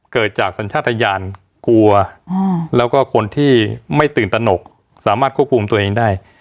เกิดจากสัญชาติยานกลัวแล้วก็คนที่ไม่ตื่นตนกสามารถควบคุมตัวเองได้